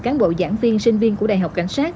cán bộ giảng viên sinh viên của đại học cảnh sát